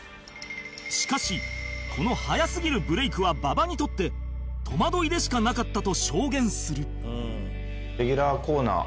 しかしこの早すぎるブレイクは馬場にとって戸惑いでしかなかったと証言する